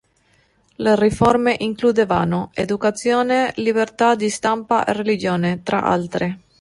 Le riforme includevano: educazione, libertà di stampa e religione, tra altre.